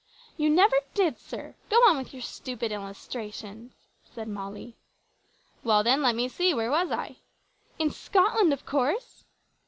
"You never did, sir. Go on with your stupid illustrations," said Molly. "Well, then, let me see where was I?" "In Scotland, of course!"